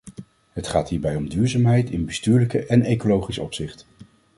Het gaat hierbij om duurzaamheid in bestuurlijk en ecologisch opzicht.